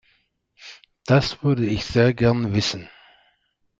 Das würde ich sehr gerne wissen.